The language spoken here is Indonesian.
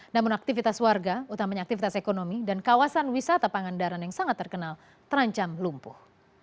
namun aktivitas warga utamanya aktivitas ekonomi dan kawasan wisata pangandaran yang sangat terkenal terancam lumpuh